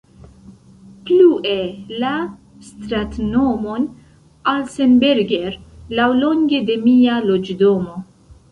Plue, la stratnomon Alsenberger laŭlonge de mia loĝdomo.